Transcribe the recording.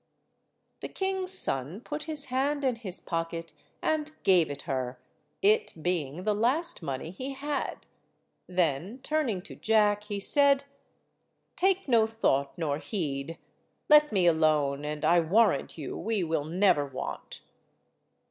The king's son put his hand in his pocket and gave it her, it being the last money he had, then, turning to Jack, he said— "Take no thought nor heed. Let me alone, and I warrant you we will never want."